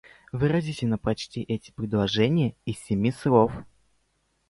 Выразительно прочти это предложение из семи слов.